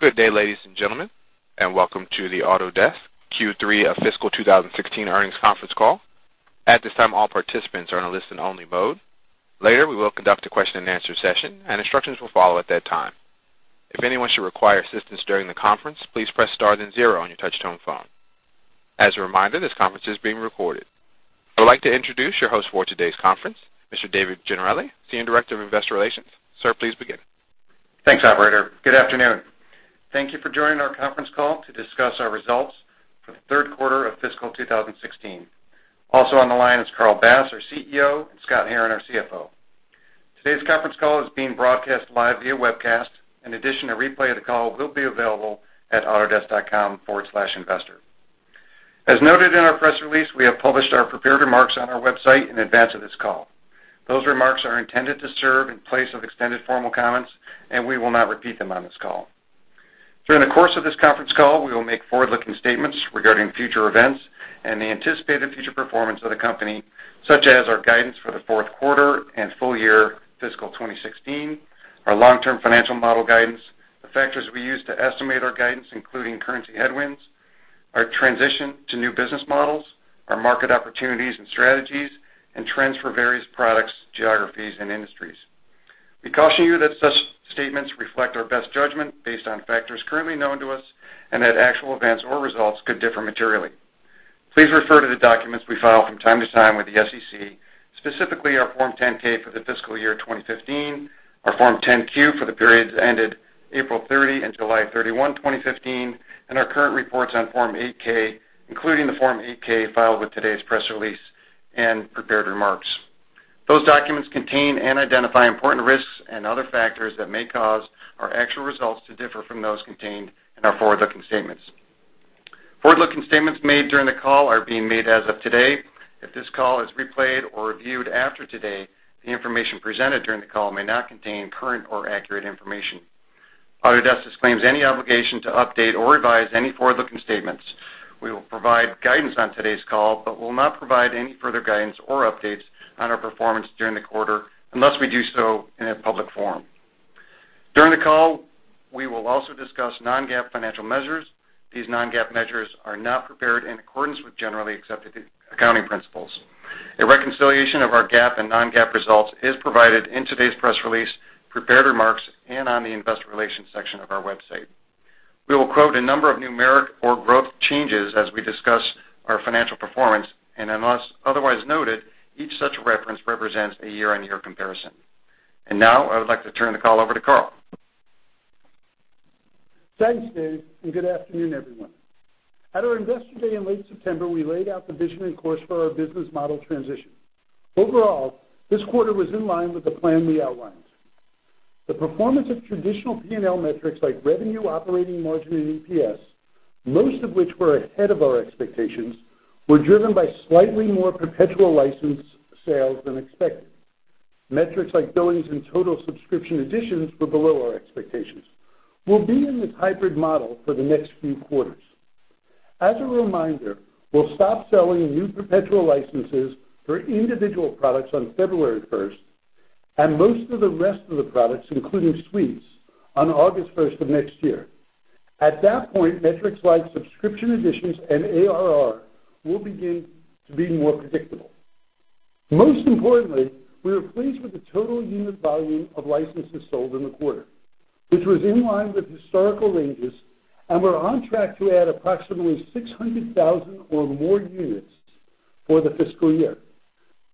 Good day, ladies and gentlemen, and welcome to the Autodesk Q3 Fiscal 2016 Earnings Conference Call. At this time, all participants are in a listen-only mode. Later, we will conduct a question-and-answer session, and instructions will follow at that time. If anyone should require assistance during the conference, please press star then zero on your touch-tone phone. As a reminder, this conference is being recorded. I would like to introduce your host for today's conference, Mr. David Gennarelli, Senior Director of Investor Relations. Sir, please begin. Thanks, operator. Good afternoon. Thank you for joining our conference call to discuss our results for the third quarter of Fiscal 2016. Also on the line is Carl Bass, our CEO, and Scott Herren, our CFO. Today's conference call is being broadcast live via webcast. In addition, a replay of the call will be available at autodesk.com/investor. As noted in our press release, we have published our prepared remarks on our website in advance of this call. Those remarks are intended to serve in place of extended formal comments, we will not repeat them on this call. During the course of this conference call, we will make forward-looking statements regarding future events and the anticipated future performance of the company, such as our guidance for the fourth quarter and full year Fiscal 2016, our long-term financial model guidance, the factors we use to estimate our guidance, including currency headwinds, our transition to new business models, our market opportunities and strategies, and trends for various products, geographies, and industries. We caution you that such statements reflect our best judgment based on factors currently known to us and that actual events or results could differ materially. Please refer to the documents we file from time to time with the SEC, specifically our Form 10-K for the Fiscal Year 2015, our Form 10-Q for the periods ended April 30 and July 31, 2015, our current reports on Form 8-K, including the Form 8-K filed with today's press release and prepared remarks. Those documents contain and identify important risks and other factors that may cause our actual results to differ from those contained in our forward-looking statements. Forward-looking statements made during the call are being made as of today. If this call is replayed or reviewed after today, the information presented during the call may not contain current or accurate information. Autodesk disclaims any obligation to update or revise any forward-looking statements. We will provide guidance on today's call but will not provide any further guidance or updates on our performance during the quarter unless we do so in a public forum. During the call, we will also discuss non-GAAP financial measures. These non-GAAP measures are not prepared in accordance with generally accepted accounting principles. A reconciliation of our GAAP and non-GAAP results is provided in today's press release, prepared remarks, and on the investor relations section of our website. We will quote a number of numeric or growth changes as we discuss our financial performance, unless otherwise noted, each such reference represents a year-over-year comparison. Now, I would like to turn the call over to Carl. Thanks, Dave, and good afternoon, everyone. At our investor day in late September, we laid out the vision and course for our business model transition. Overall, this quarter was in line with the plan we outlined. The performance of traditional P&L metrics like revenue, operating margin, and EPS, most of which were ahead of our expectations, were driven by slightly more perpetual license sales than expected. Metrics like billings and total subscription additions were below our expectations. We'll be in this hybrid model for the next few quarters. As a reminder, we'll stop selling new perpetual licenses for individual products on February 1st, and most of the rest of the products, including suites, on August 1st of next year. At that point, metrics like subscription additions and ARR will begin to be more predictable. Most importantly, we are pleased with the total unit volume of licenses sold in the quarter, which was in line with historical ranges, and we're on track to add approximately 600,000 or more units for the fiscal year.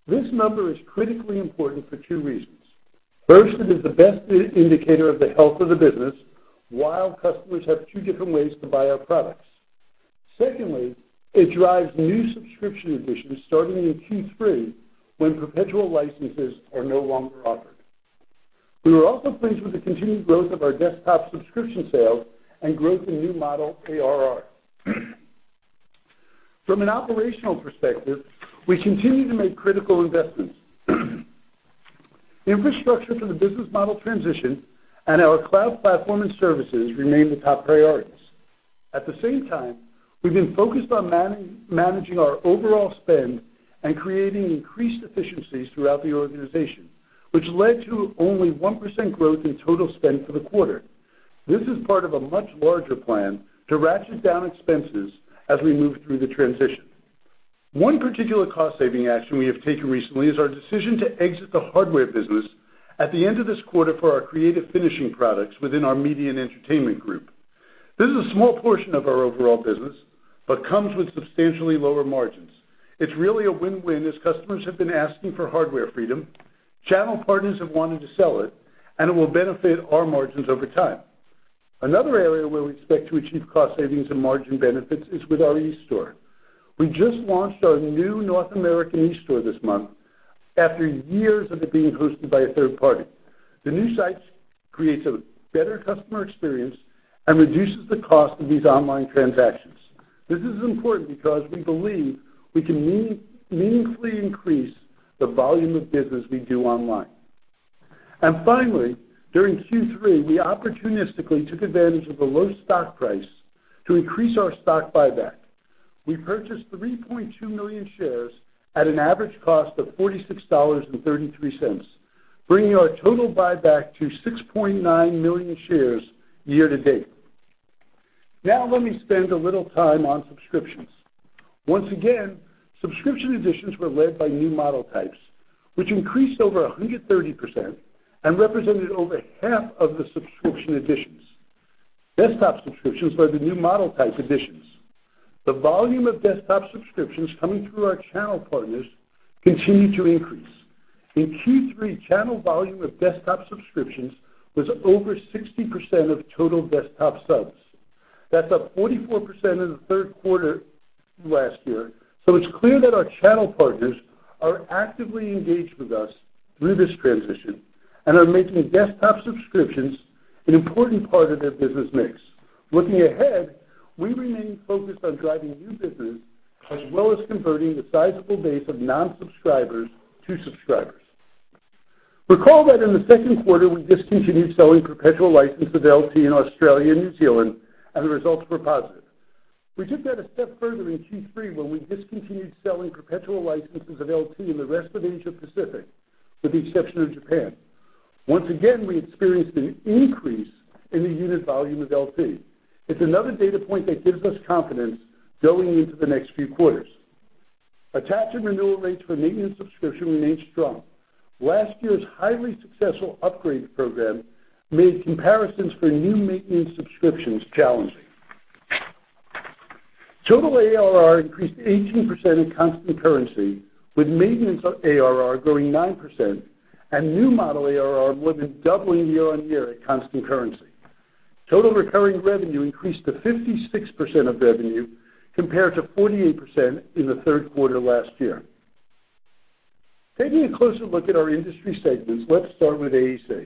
This number is critically important for two reasons. First, it is the best indicator of the health of the business while customers have two different ways to buy our products. Secondly, it drives new subscription additions starting in Q3 when perpetual licenses are no longer offered. We were also pleased with the continued growth of our desktop subscription sales and growth in new model ARR. From an operational perspective, we continue to make critical investments. Infrastructure for the business model transition and our cloud platform and services remain the top priorities. At the same time, we've been focused on managing our overall spend and creating increased efficiencies throughout the organization, which led to only 1% growth in total spend for the quarter. This is part of a much larger plan to ratchet down expenses as we move through the transition. One particular cost-saving action we have taken recently is our decision to exit the hardware business at the end of this quarter for our Creative Finishing products within our Media and Entertainment group. This is a small portion of our overall business but comes with substantially lower margins. It's really a win-win, as customers have been asking for hardware freedom, channel partners have wanted to sell it, and it will benefit our margins over time. Another area where we expect to achieve cost savings and margin benefits is with our eStore. We just launched our new North American eStore this month after years of it being hosted by a third party. The new site creates a better customer experience and reduces the cost of these online transactions. This is important because we believe we can meaningfully increase the volume of business we do online. Finally, during Q3, we opportunistically took advantage of the low stock price to increase our stock buyback. We purchased 3.2 million shares at an average cost of $46.33, bringing our total buyback to 6.9 million shares year-to-date. Let me spend a little time on subscriptions. Once again, subscription additions were led by new model types, which increased over 130% and represented over half of the subscription additions. Desktop subscriptions by the new model type additions. The volume of desktop subscriptions coming through our channel partners continued to increase. In Q3, channel volume of desktop subscriptions was over 60% of total desktop subs. That's up 44% in the third quarter last year. It's clear that our channel partners are actively engaged with us through this transition and are making desktop subscriptions an important part of their business mix. Looking ahead, we remain focused on driving new business, as well as converting the sizable base of non-subscribers to subscribers. Recall that in the second quarter, we discontinued selling perpetual licenses of LT in Australia and New Zealand, and the results were positive. We took that a step further in Q3 when we discontinued selling perpetual licenses of LT in the rest of Asia Pacific, with the exception of Japan. Once again, we experienced an increase in the unit volume of LT. It's another data point that gives us confidence going into the next few quarters. Attach and renewal rates for maintenance subscription remained strong. Last year's highly successful upgrade program made comparisons for new maintenance subscriptions challenging. Total ARR increased 18% in constant currency, with maintenance ARR growing 9% and new model ARR more than doubling year-on-year at constant currency. Total recurring revenue increased to 56% of revenue, compared to 48% in the third quarter last year. Taking a closer look at our industry segments, let's start with AEC.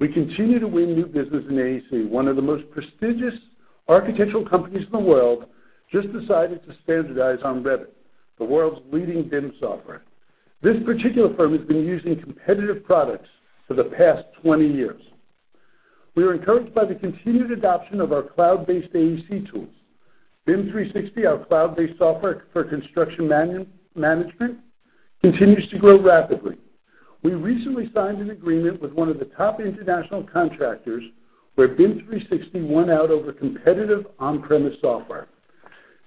We continue to win new business in AEC. One of the most prestigious architectural companies in the world just decided to standardize on Revit, the world's leading BIM software. This particular firm has been using competitive products for the past 20 years. We are encouraged by the continued adoption of our cloud-based AEC tools. BIM 360, our cloud-based software for construction management, continues to grow rapidly. We recently signed an agreement with one of the top international contractors where BIM 360 won out over competitive on-premise software.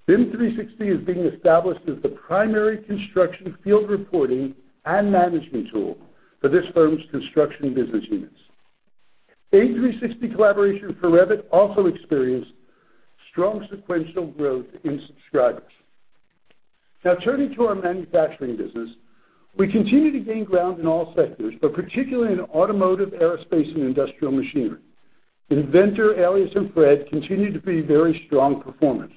BIM 360 is being established as the primary construction field reporting and management tool for this firm's construction business units. A360 collaboration for Revit also experienced strong sequential growth in subscribers. Turning to our manufacturing business. We continue to gain ground in all sectors, but particularly in automotive, aerospace, and industrial machinery. Inventor, Alias, and VRED continue to be very strong performers.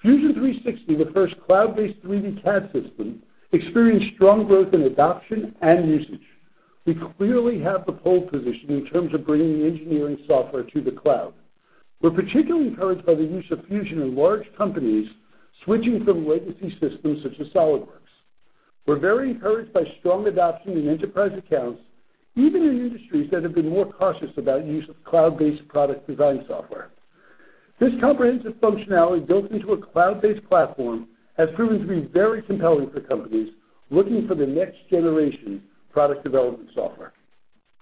Fusion 360, the first cloud-based 3D CAD system, experienced strong growth in adoption and usage. We clearly have the pole position in terms of bringing engineering software to the cloud. We're particularly encouraged by the use of Fusion in large companies switching from legacy systems such as SolidWorks. We're very encouraged by strong adoption in enterprise accounts, even in industries that have been more cautious about use of cloud-based product design software. This comprehensive functionality built into a cloud-based platform has proven to be very compelling for companies looking for the next-generation product development software.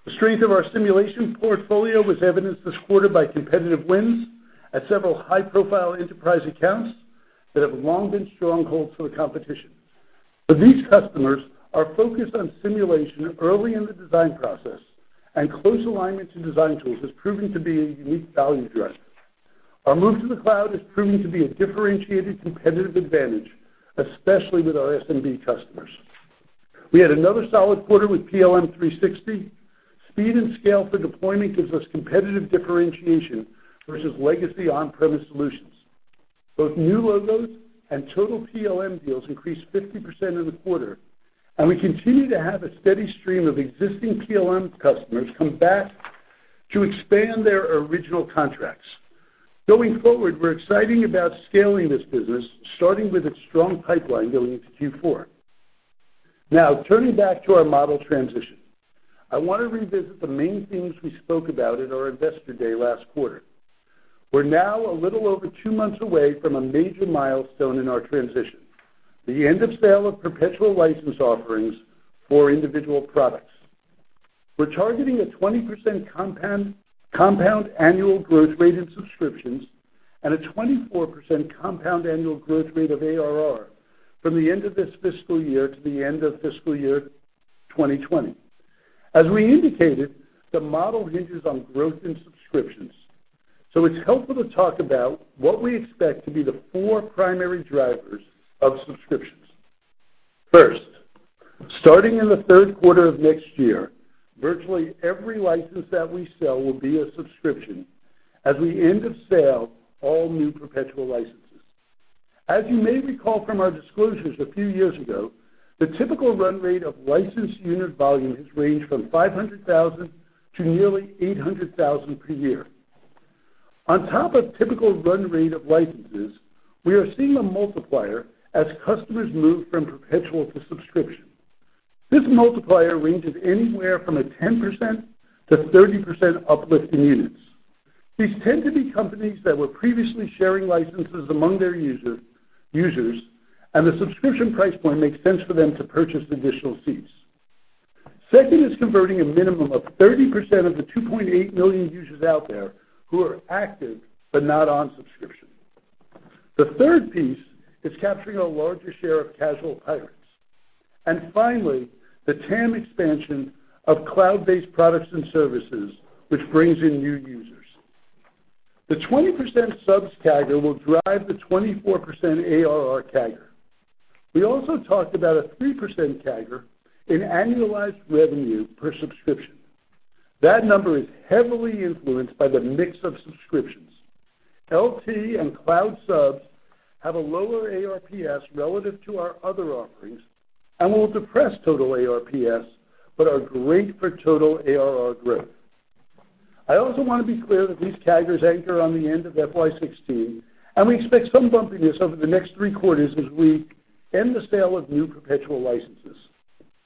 The strength of our simulation portfolio was evidenced this quarter by competitive wins at several high-profile enterprise accounts that have long been strongholds for the competition. For these customers, our focus on simulation early in the design process and close alignment to design tools has proven to be a unique value driver. Our move to the cloud has proven to be a differentiated competitive advantage, especially with our SMB customers. We had another solid quarter with PLM 360. Speed and scale for deployment gives us competitive differentiation versus legacy on-premise solutions. Both new logos and total PLM deals increased 50% in the quarter. We continue to have a steady stream of existing PLM customers come back to expand their original contracts. Going forward, we're excited about scaling this business, starting with its strong pipeline going into Q4. Turning back to our model transition. I want to revisit the main themes we spoke about at our Investor Day last quarter. We're now a little over two months away from a major milestone in our transition, the end of sale of perpetual license offerings for individual products. We're targeting a 20% compound annual growth rate in subscriptions and a 24% compound annual growth rate of ARR from the end of this fiscal year to the end of FY 2020. As we indicated, the model hinges on growth in subscriptions. It's helpful to talk about what we expect to be the four primary drivers of subscriptions. First, starting in the third quarter of next year, virtually every license that we sell will be a subscription as we end of sale all new perpetual licenses. As you may recall from our disclosures a few years ago, the typical run rate of licensed unit volume has ranged from 500,000 to nearly 800,000 per year. On top of typical run rate of licenses, we are seeing a multiplier as customers move from perpetual to subscription. This multiplier ranges anywhere from a 10%-30% uplift in units. The subscription price point makes sense for them to purchase additional seats. Second is converting a minimum of 30% of the 2.8 million users out there who are active but not on subscription. The third piece is capturing a larger share of casual pirates. Finally, the TAM expansion of cloud-based products and services, which brings in new users. The 20% subs CAGR will drive the 24% ARR CAGR. We also talked about a 3% CAGR in annualized revenue per subscription. That number is heavily influenced by the mix of subscriptions. LT and cloud subs have a lower ARPS relative to our other offerings and will depress total ARPS but are great for total ARR growth. I also want to be clear that these CAGRs anchor on the end of FY 2016. We expect some bumpiness over the next three quarters as we end the sale of new perpetual licenses.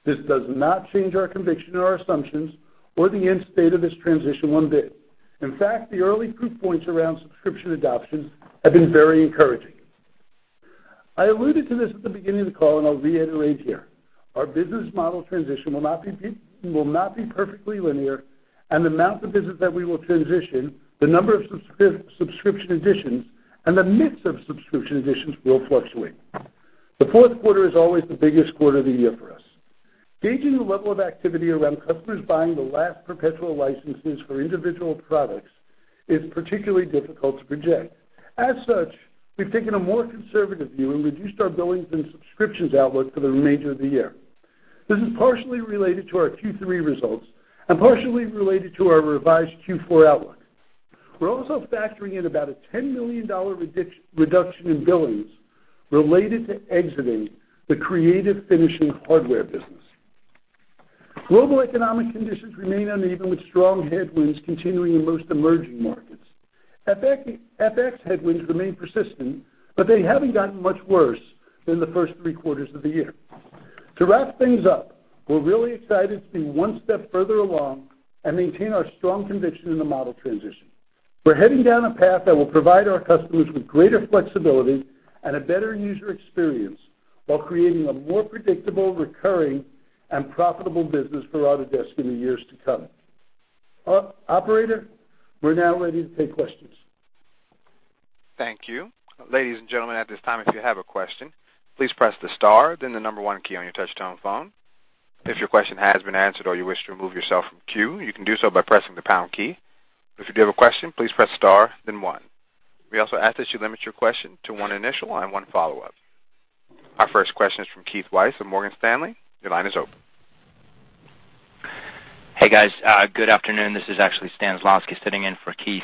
This does not change our conviction or our assumptions or the end state of this transition one bit. In fact, the early proof points around subscription adoptions have been very encouraging. I alluded to this at the beginning of the call, I'll reiterate here. Our business model transition will not be perfectly linear, the amount of business that we will transition, the number of subscription additions, the mix of subscription additions will fluctuate. The fourth quarter is always the biggest quarter of the year for us. Gauging the level of activity around customers buying the last perpetual licenses for individual products is particularly difficult to project. As such, we've taken a more conservative view and reduced our billings and subscriptions outlook for the remainder of the year. This is partially related to our Q3 results and partially related to our revised Q4 outlook. We're also factoring in about a $10 million reduction in billings related to exiting the Creative Finishing hardware business. Global economic conditions remain uneven, with strong headwinds continuing in most emerging markets. FX headwinds remain persistent, they haven't gotten much worse than the first three quarters of the year. To wrap things up, we're really excited to be one step further along and maintain our strong conviction in the model transition. We're heading down a path that will provide our customers with greater flexibility and a better user experience while creating a more predictable, recurring, and profitable business for Autodesk in the years to come. Operator, we're now ready to take questions. Thank you. Ladies and gentlemen, at this time, if you have a question, please press the star then the number one key on your touch-tone phone. If your question has been answered or you wish to remove yourself from queue, you can do so by pressing the pound key. If you do have a question, please press star then one. We also ask that you limit your question to one initial and one follow-up. Our first question is from Keith Weiss of Morgan Stanley. Your line is open. Hey, guys. Good afternoon. This is actually Stan Zlotnik sitting in for Keith.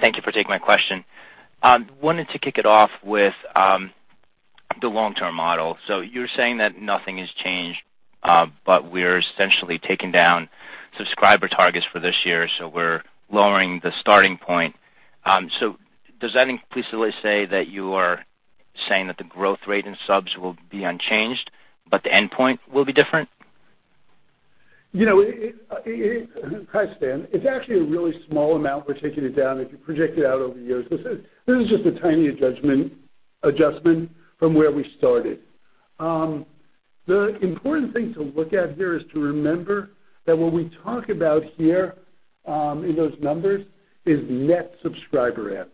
Thank you for taking my question. Wanted to kick it off with the long-term model. You're saying that nothing has changed, we're essentially taking down subscriber targets for this year, we're lowering the starting point. Does that implicitly say that you are saying that the growth rate in subs will be unchanged, the endpoint will be different? Hi, Stan. It's actually a really small amount we're taking it down if you project it out over years. This is just a tiny adjustment from where we started. The important thing to look at here is to remember that what we talk about here in those numbers is net subscriber adds.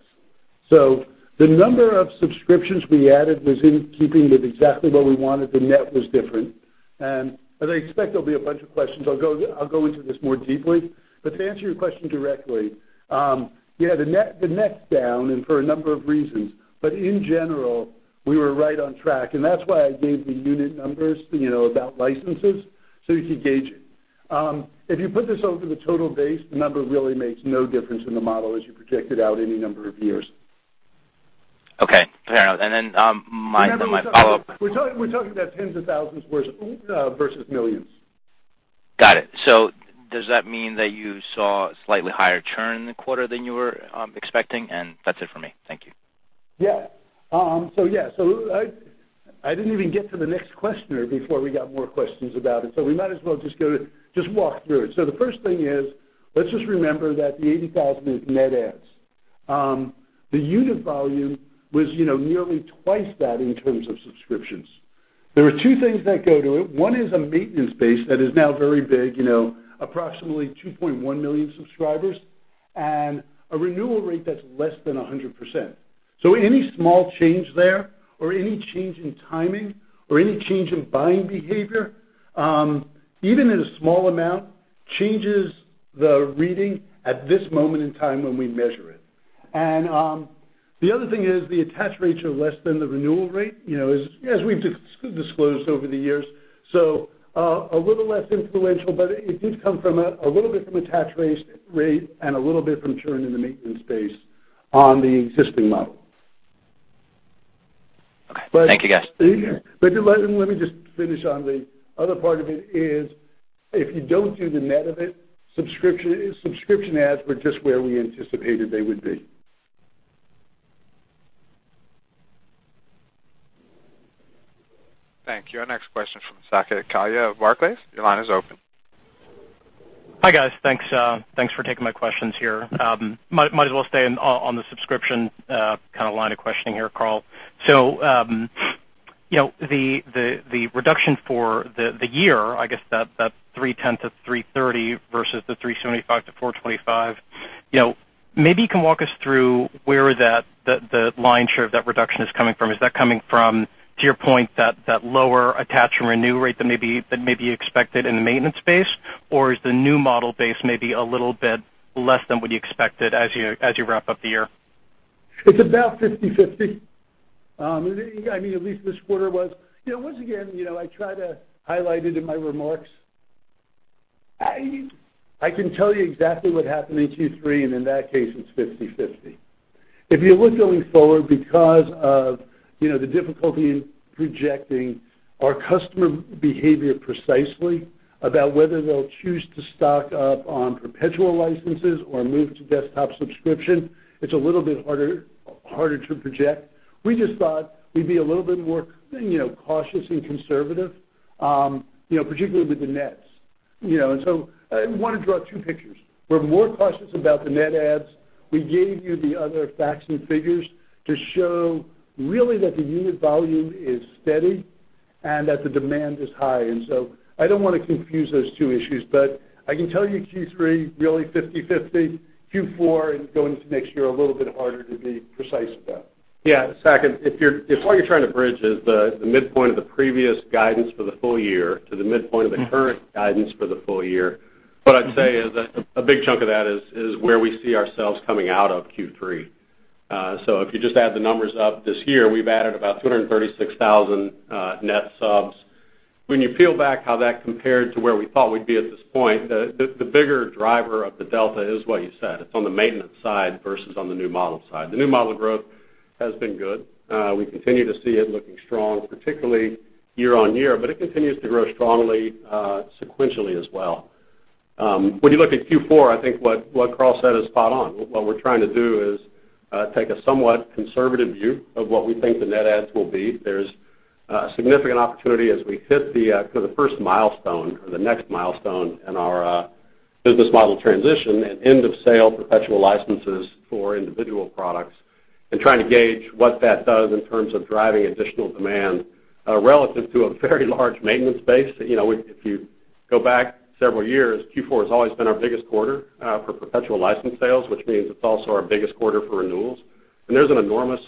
The number of subscriptions we added was in keeping with exactly what we wanted. The net was different. As I expect there'll be a bunch of questions, I'll go into this more deeply. To answer your question directly, yeah, the net's down and for a number of reasons. In general, we were right on track, and that's why I gave the unit numbers about licenses so you could gauge it. If you put this over the total base, the number really makes no difference in the model as you project it out any number of years. Okay, fair enough. We're talking about tens of thousands versus millions. Got it. Does that mean that you saw slightly higher churn in the quarter than you were expecting? That's it for me. Thank you. Yeah. I didn't even get to the next questioner before we got more questions about it, so we might as well just walk through it. The first thing is, let's just remember that the 80,000 is net adds. The unit volume was nearly twice that in terms of subscriptions. There are two things that go to it. One is a maintenance base that is now very big, approximately 2.1 million subscribers, and a renewal rate that's less than 100%. Any small change there, or any change in timing, or any change in buying behavior, even at a small amount, changes the reading at this moment in time when we measure it. The other thing is the attach rates are less than the renewal rate, as we've disclosed over the years. A little less influential, but it did come from a little bit from attach rate and a little bit from churn in the maintenance base on the existing model. Okay. Thank you, guys. Let me just finish on the other part of it is, if you don't do the net of it, subscription adds were just where we anticipated they would be. Thank you. Our next question from Saket Kalia of Barclays. Your line is open. Hi, guys. Thanks for taking my questions here. Might as well stay on the subscription line of questioning here, Carl. The reduction for the year, I guess that 310-330 versus the 375-425, maybe you can walk us through where the lion's share of that reduction is coming from. Is that coming from, to your point, that lower attach and renew rate that maybe you expected in the maintenance base? Or is the new model base maybe a little bit less than what you expected as you wrap up the year? It's about 50/50. At least this quarter was. Once again, I try to highlight it in my remarks. I can tell you exactly what happened in Q3, and in that case, it's 50/50. If you look going forward, because of the difficulty in projecting our customer behavior precisely about whether they'll choose to stock up on perpetual licenses or move to desktop subscription, it's a little bit harder to project. We just thought we'd be a little bit more cautious and conservative, particularly with the nets. I want to draw two pictures. We're more cautious about the net adds. We gave you the other facts and figures to show really that the unit volume is steady and that the demand is high. I don't want to confuse those two issues, but I can tell you Q3, really 50/50, Q4 and going into next year, a little bit harder to be precise about. Yeah, Saket, if what you're trying to bridge is the midpoint of the previous guidance for the full year to the midpoint of the current guidance for the full year, what I'd say is that a big chunk of that is where we see ourselves coming out of Q3. If you just add the numbers up this year, we've added about 236,000 net subs. When you peel back how that compared to where we thought we'd be at this point, the bigger driver of the delta is what you said. It's on the maintenance side versus on the new model side. The new model growth has been good. We continue to see it looking strong, particularly year-over-year, but it continues to grow strongly sequentially as well. When you look at Q4, I think what Carl said is spot on. What we're trying to do is take a somewhat conservative view of what we think the net adds will be. There's a significant opportunity as we hit the first milestone or the next milestone in our business model transition and end-of-sale perpetual licenses for individual products, and trying to gauge what that does in terms of driving additional demand relative to a very large maintenance base. If you go back several years, Q4 has always been our biggest quarter for perpetual license sales, which means it's also our biggest quarter for renewals. There's an enormous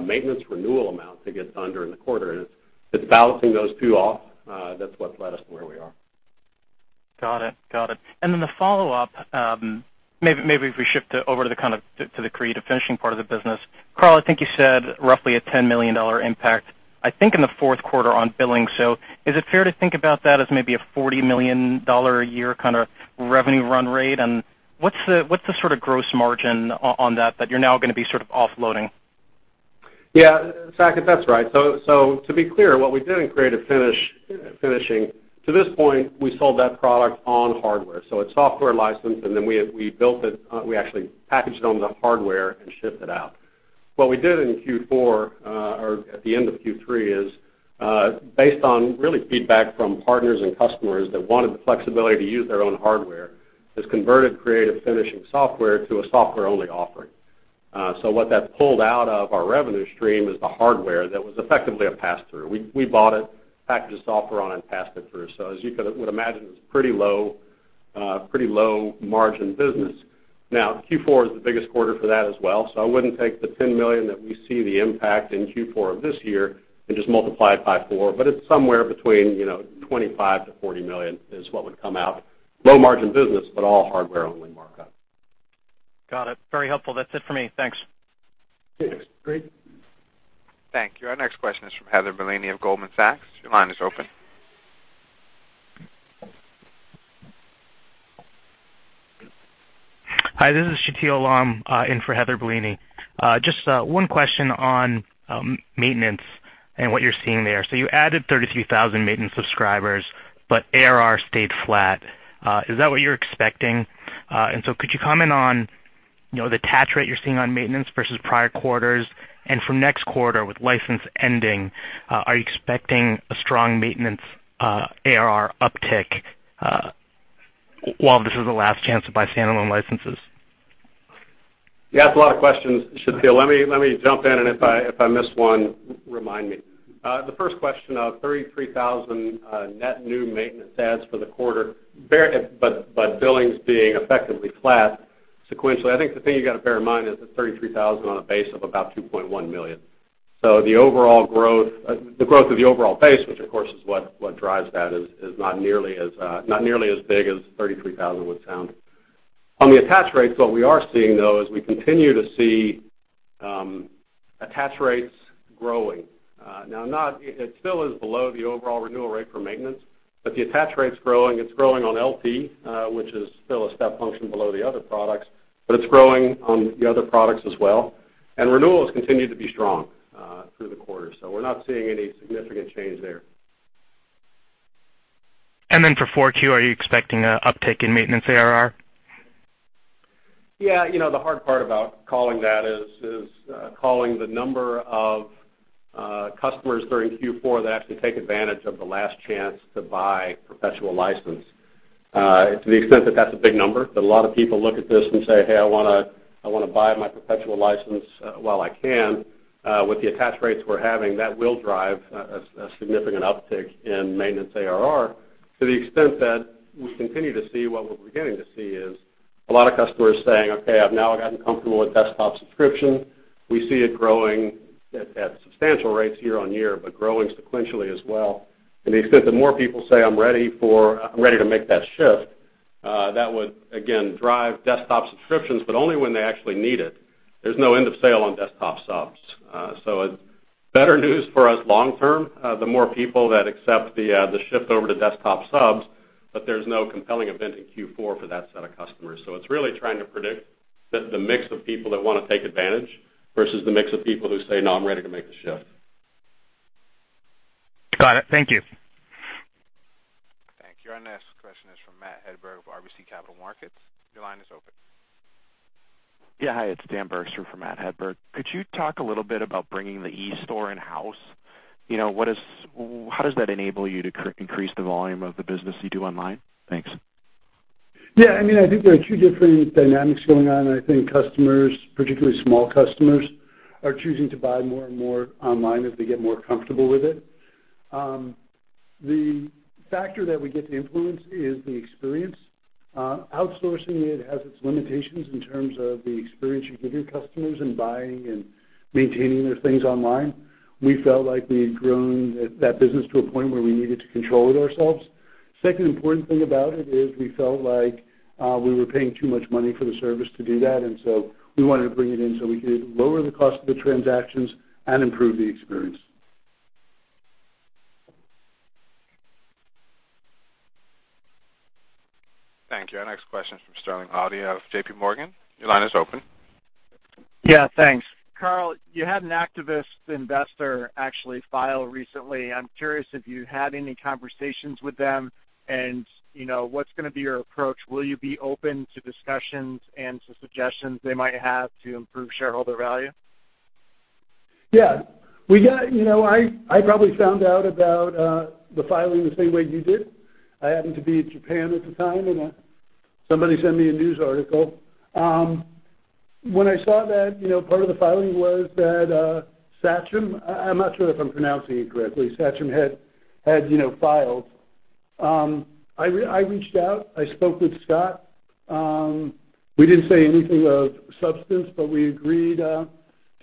maintenance renewal amount that gets under in the quarter, and it's balancing those two off. That's what led us to where we are. Got it. Then the follow-up, maybe if we shift over to the Creative Finishing part of the business. Carl, I think you said roughly a $10 million impact, I think, in the fourth quarter on billing. Is it fair to think about that as maybe a $40 million a year revenue run rate? What's the sort of gross margin on that you're now going to be sort of offloading? Yeah. Saket, that's right. To be clear, what we did in Creative Finishing, to this point, we sold that product on hardware. It's software license, and then we built it, we actually packaged it on the hardware and shipped it out. What we did in Q4, or at the end of Q3 is, based on really feedback from partners and customers that wanted the flexibility to use their own hardware, is converted Creative Finishing software to a software-only offering. What that pulled out of our revenue stream is the hardware that was effectively a pass-through. We bought it, packaged the software on it, and passed it through. As you would imagine, it was pretty low-margin business. Now, Q4 is the biggest quarter for that as well, I wouldn't take the $10 million that we see the impact in Q4 of this year and just multiply it by four, but it's somewhere between $25 million-$40 million is what would come out. Low-margin business, but all hardware-only markup. Got it. Very helpful. That's it for me. Thanks. Thanks. Great. Thank you. Our next question is from Heather Bellini of Goldman Sachs. Your line is open. Hi, this is Shateel Alam in for Heather Bellini. Just one question on maintenance and what you're seeing there. You added 33,000 maintenance subscribers, but ARR stayed flat. Is that what you're expecting? Could you comment on the attach rate you're seeing on maintenance versus prior quarters? For next quarter, with license ending, are you expecting a strong maintenance ARR uptick while this is the last chance to buy standalone licenses? You asked a lot of questions, Shateel. Let me jump in, and if I miss one, remind me. The first question, 33,000 net new maintenance adds for the quarter, but billings being effectively flat sequentially. I think the thing you got to bear in mind is that's 33,000 on a base of about 2.1 million. The growth of the overall base, which of course is what drives that, is not nearly as big as 33,000 would sound. On the attach rates, what we are seeing, though, is we continue to see attach rates growing. It still is below the overall renewal rate for maintenance, but the attach rate's growing. It's growing on LT, which is still a step function below the other products, but it's growing on the other products as well. Renewals continue to be strong through the quarter. We're not seeing any significant change there. For 4Q, are you expecting an uptick in maintenance ARR? Yeah. The hard part about calling that is calling the number of customers during Q4 that actually take advantage of the last chance to buy perpetual license. To the extent that that's a big number, that a lot of people look at this and say, "Hey, I want to buy my perpetual license while I can." With the attach rates we're having, that will drive a significant uptick in maintenance ARR to the extent that we continue to see what we're beginning to see is a lot of customers saying, "Okay, I've now gotten comfortable with desktop subscription." We see it growing at substantial rates year-on-year, but growing sequentially as well. To the extent that more people say, "I'm ready to make that shift," that would again drive desktop subscriptions, but only when they actually need it. There's no end of sale on desktop subs. Better news for us long term, the more people that accept the shift over to desktop subs, but there's no compelling event in Q4 for that set of customers. It's really trying to predict the mix of people that want to take advantage versus the mix of people who say, "No, I'm ready to make the shift. Got it. Thank you. Thank you. Our next question is from Matthew Hedberg of RBC Capital Markets. Your line is open. Yeah. Hi, it's Daniel Bergstrom for Matthew Hedberg. Could you talk a little bit about bringing the eStore in-house? How does that enable you to increase the volume of the business you do online? Thanks. Yeah. I think there are two different dynamics going on. I think customers, particularly small customers, are choosing to buy more and more online as they get more comfortable with it. The factor that we get to influence is the experience. Outsourcing it has its limitations in terms of the experience you give your customers in buying and maintaining their things online. We felt like we had grown that business to a point where we needed to control it ourselves. Second important thing about it is we felt like we were paying too much money for the service to do that. We wanted to bring it in so we could lower the cost of the transactions and improve the experience. Thank you. Our next question is from Sterling Auty of JP Morgan. Your line is open. Yeah. Thanks. Carl, you had an activist investor actually file recently. I'm curious if you had any conversations with them, what's going to be your approach? Will you be open to discussions and to suggestions they might have to improve shareholder value? Yeah. I probably found out about the filing the same way you did. I happened to be in Japan at the time, somebody sent me a news article. When I saw that, part of the filing was that Sachem, I'm not sure if I'm pronouncing it correctly, Sachem had filed. I reached out. I spoke with Scott. We didn't say anything of substance, we agreed to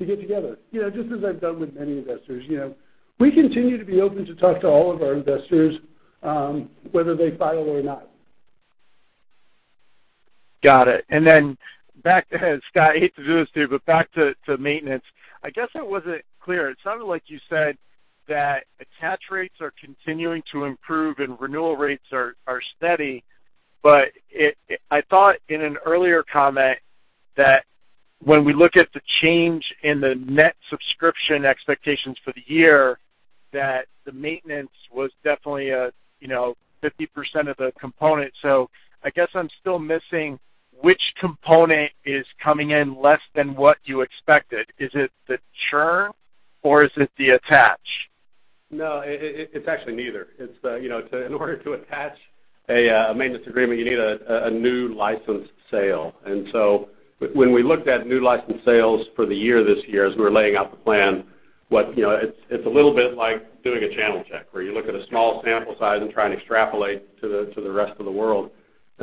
get together. Just as I've done with many investors. We continue to be open to talk to all of our investors, whether they file or not. Got it. Back to, Scott, I hate to do this to you, but back to maintenance. I guess I wasn't clear. It sounded like you said that attach rates are continuing to improve and renewal rates are steady. I thought in an earlier comment that when we look at the change in the net subscription expectations for the year, that the maintenance was definitely 50% of the component. I guess I'm still missing which component is coming in less than what you expected. Is it the churn or is it the attach? No, it's actually neither. In order to attach a maintenance agreement, you need a new licensed sale. When we looked at new license sales for the year this year as we were laying out the plan, it's a little bit like doing a channel check where you look at a small sample size and try and extrapolate to the rest of the world.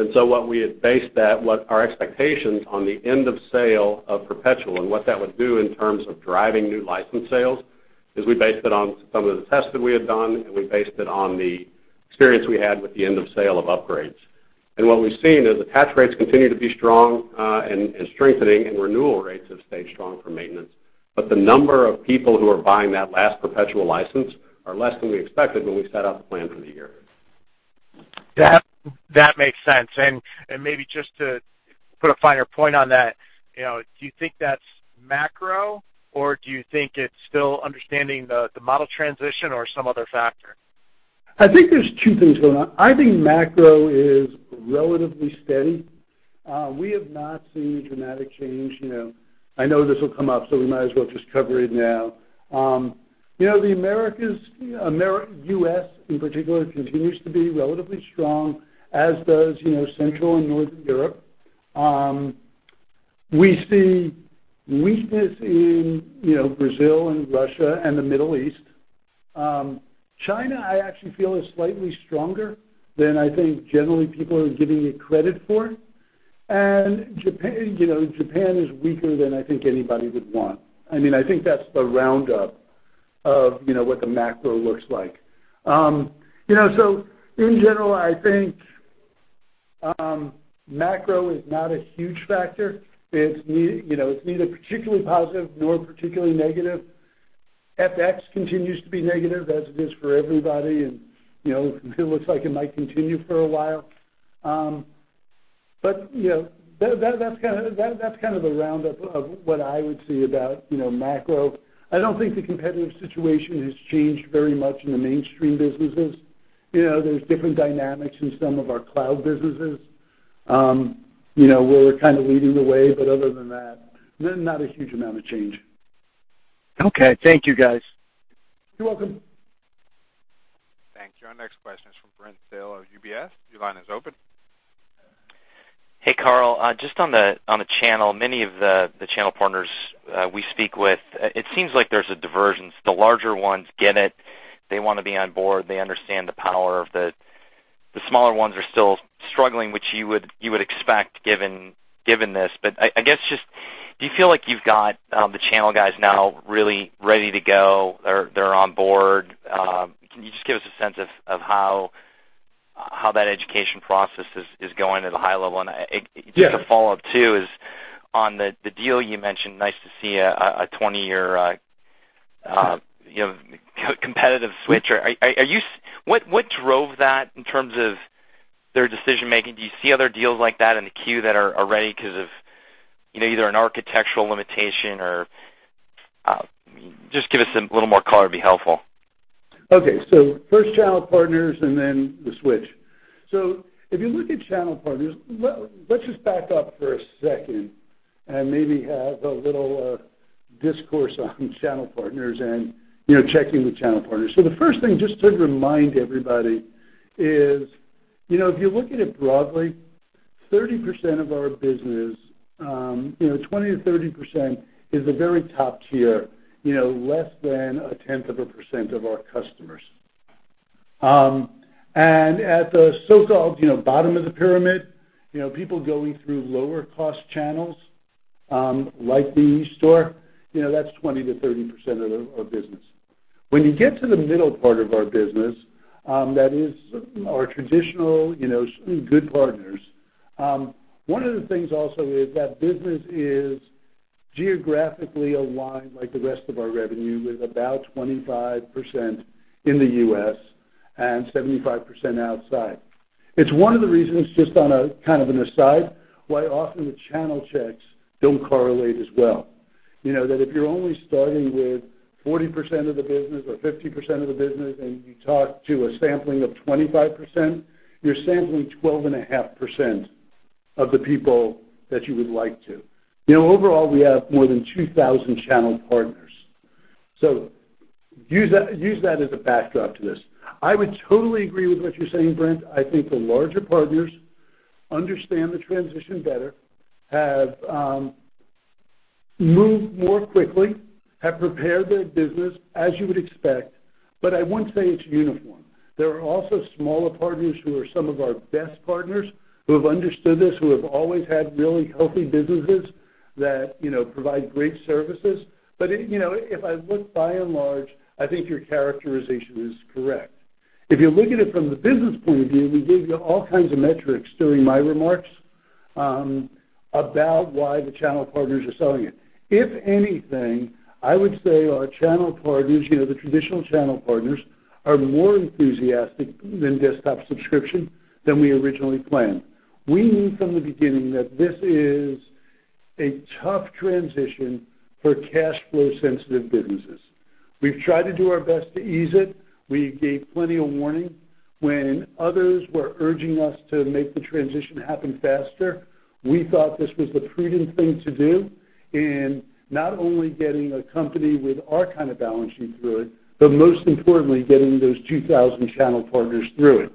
What we had based our expectations on the end of sale of perpetual and what that would do in terms of driving new license sales is we based it on some of the tests that we had done, and we based it on the experience we had with the end of sale of upgrades. What we've seen is attach rates continue to be strong, and strengthening, and renewal rates have stayed strong for maintenance. The number of people who are buying that last perpetual license are less than we expected when we set out the plan for the year. That makes sense. Maybe just to put a finer point on that, do you think that's macro, or do you think it's still understanding the model transition or some other factor? I think there's two things going on. I think macro is relatively steady. We have not seen a dramatic change. I know this will come up, we might as well just cover it now. The Americas, U.S. in particular, continues to be relatively strong, as does Central and Northern Europe. We see weakness in Brazil and Russia and the Middle East. China, I actually feel is slightly stronger than I think generally people are giving it credit for. Japan is weaker than I think anybody would want. I think that's the roundup of what the macro looks like. In general, I think macro is not a huge factor. It's neither particularly positive nor particularly negative. FX continues to be negative as it is for everybody, and it looks like it might continue for a while. That's kind of the roundup of what I would see about macro. I don't think the competitive situation has changed very much in the mainstream businesses. There's different dynamics in some of our cloud businesses, where we're kind of leading the way. Other than that, not a huge amount of change. Okay, thank you, guys. You're welcome. Thank you. Our next question is from Brent Thill of UBS. Your line is open. Hey, Carl. Just on the channel, many of the channel partners we speak with, it seems like there's a divergence. The larger ones get it. They want to be on board. They understand the power of it. The smaller ones are still struggling, which you would expect given this. I guess just, do you feel like you've got the channel guys now really ready to go? They're on board. Can you just give us a sense of how that education process is going at a high level? Yes. Just a follow-up, too, is on the deal you mentioned, nice to see a 20-year competitive switch. What drove that in terms of their decision-making? Do you see other deals like that in the queue that are ready because of either an architectural limitation? Just give us a little more color would be helpful. First channel partners, then the switch. If you look at channel partners. Let's just back up for a second and maybe have a little discourse on channel partners and checking with channel partners. The first thing, just to remind everybody, is if you look at it broadly, 30% of our business, 20%-30% is the very top tier less than a tenth of a percent of our customers. At the so-called bottom of the pyramid, people going through lower-cost channels, like the eStore, that's 20%-30% of our business. When you get to the middle part of our business, that is our traditional good partners, one of the things also is that business is geographically aligned like the rest of our revenue, with about 25% in the U.S. and 75% outside. It's one of the reasons, just on a kind of an aside, why often the channel checks don't correlate as well. That if you're only starting with 40% of the business or 50% of the business, and you talk to a sampling of 25%, you're sampling 12.5% of the people that you would like to. Overall, we have more than 2,000 channel partners. Use that as a backdrop to this. I would totally agree with what you're saying, Brent. I think the larger partners understand the transition better, have moved more quickly, have prepared their business, as you would expect, but I wouldn't say it's uniform. There are also smaller partners who are some of our best partners, who have understood this, who have always had really healthy businesses that provide great services. If I look by and large, I think your characterization is correct. If you look at it from the business point of view, we gave you all kinds of metrics during my remarks about why the channel partners are selling it. If anything, I would say our channel partners, the traditional channel partners, are more enthusiastic than desktop subscription than we originally planned. We knew from the beginning that this is a tough transition for cash flow-sensitive businesses. We've tried to do our best to ease it. We gave plenty of warning. When others were urging us to make the transition happen faster, we thought this was the prudent thing to do in not only getting a company with our kind of balance sheet through it, but most importantly, getting those 2,000 channel partners through it.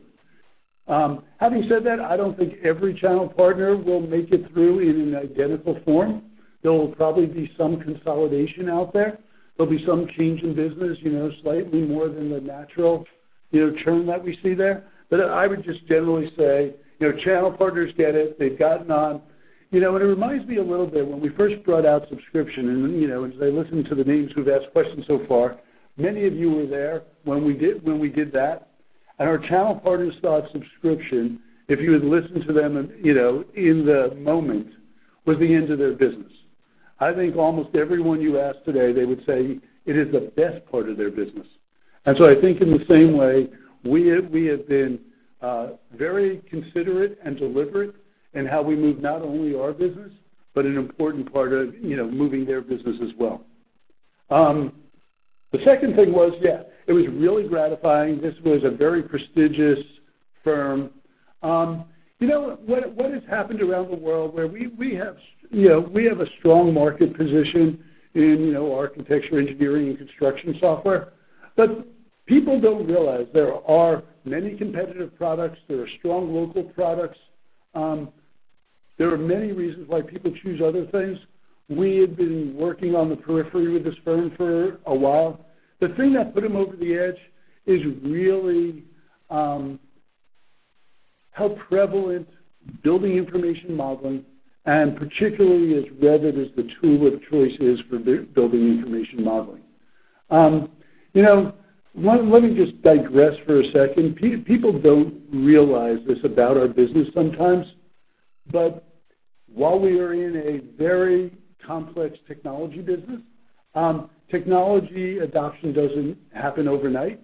Having said that, I don't think every channel partner will make it through in an identical form. There will probably be some consolidation out there. There will be some change in business, slightly more than the natural churn that we see there. I would just generally say, channel partners get it. They have gotten on. It reminds me a little bit when we first brought out subscription, and as I listen to the names who have asked questions so far, many of you were there when we did that. Our channel partners thought subscription, if you had listened to them in the moment, was the end of their business. I think almost everyone you ask today, they would say it is the best part of their business. I think in the same way, we have been very considerate and deliberate in how we move not only our business, but an important part of moving their business as well. The second thing was, it was really gratifying. This was a very prestigious firm. What has happened around the world where we have a strong market position in architecture, engineering, and construction software. People don't realize there are many competitive products. There are strong local products. There are many reasons why people choose other things. We had been working on the periphery with this firm for a while. The thing that put them over the edge is really how prevalent Building Information Modeling, and particularly as Revit as the tool of choice is for Building Information Modeling. Let me just digress for a second. People don't realize this about our business sometimes. While we are in a very complex technology business, technology adoption doesn't happen overnight.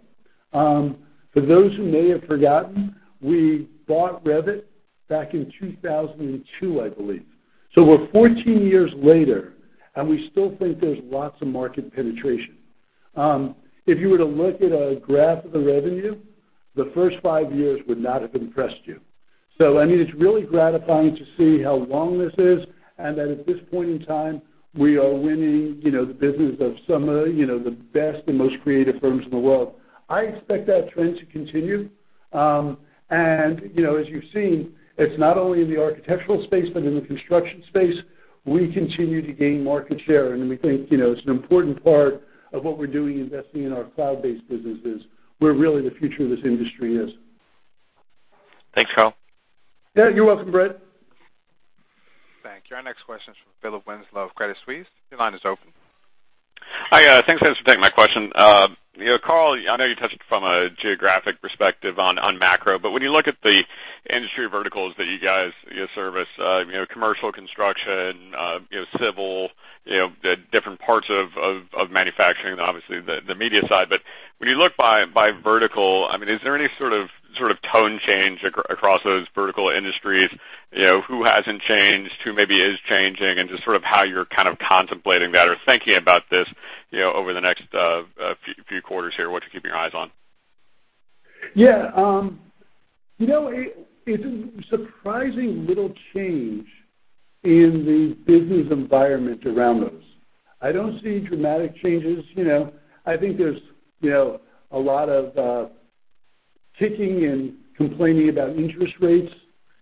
For those who may have forgotten, we bought Revit back in 2002, I believe. We are 14 years later, and we still think there is lots of market penetration. If you were to look at a graph of the revenue, the first five years would not have impressed you. It is really gratifying to see how long this is, and that at this point in time, we are winning the business of some of the best and most creative firms in the world. I expect that trend to continue. As you have seen, it is not only in the architectural space, but in the construction space, we continue to gain market share. We think it is an important part of what we are doing, investing in our cloud-based businesses, where really the future of this industry is. Thanks, Carl. Yeah, you're welcome, Brent. Thank you. Our next question is from Philip Winslow of Credit Suisse. Your line is open. Hi. Thanks for taking my question. Carl, I know you touched from a geographic perspective on macro, when you look at the industry verticals that you guys service, commercial construction, civil, the different parts of manufacturing, and obviously the media side. When you look by vertical, is there any sort of tone change across those vertical industries? Who hasn't changed, who maybe is changing, and just how you're kind of contemplating that or thinking about this over the next few quarters here, what you're keeping your eyes on? Yeah. It's surprising little change in the business environment around us. I don't see dramatic changes. I think there's a lot of kicking and complaining about interest rates,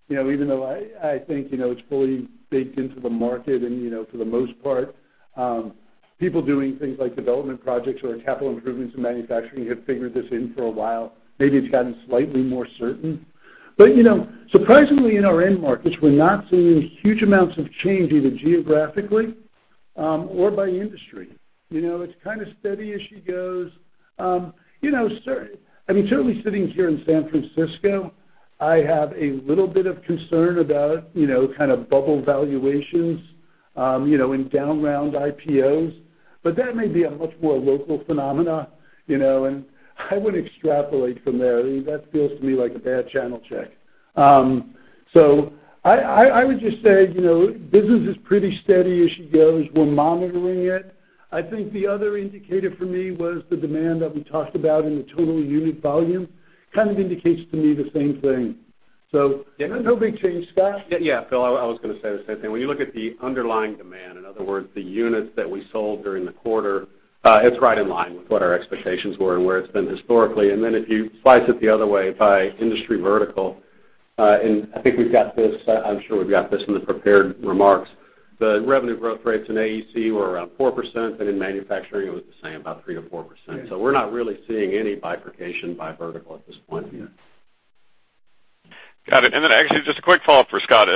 even though I think it's fully baked into the market, and for the most part. People doing things like development projects or capital improvements in manufacturing have figured this in for a while. Maybe it's gotten slightly more certain. Surprisingly, in our end markets, we're not seeing huge amounts of change, either geographically, or by industry. It's kind of steady as she goes. Certainly sitting here in San Francisco, I have a little bit of concern about bubble valuations, in down round IPOs. That may be a much more local phenomena, and I wouldn't extrapolate from there. That feels to me like a bad channel check. I would just say, business is pretty steady as she goes. We're monitoring it. I think the other indicator for me was the demand that we talked about in the total unit volume, kind of indicates to me the same thing. No big change, Scott? Yeah, Phil, I was going to say the same thing. When you look at the underlying demand, in other words, the units that we sold during the quarter, it's right in line with what our expectations were and where it's been historically. If you slice it the other way by industry vertical, and I'm sure we've got this in the prepared remarks, the revenue growth rates in AEC were around 4%, and in manufacturing it was the same, about 3%-4%. We're not really seeing any bifurcation by vertical at this point in here. Got it. Actually, just a quick follow-up for Scott.